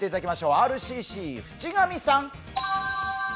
ＲＣＣ・渕上さん。